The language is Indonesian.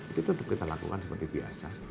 itu tetap kita lakukan seperti biasa